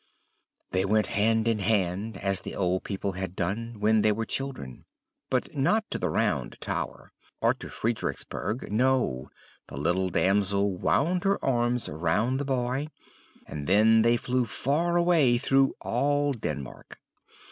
They went hand in hand, as the old people had done when they were children; but not to the Round Tower, or to Friedericksberg; no, the little damsel wound her arms round the boy, and then they flew far away through all Denmark.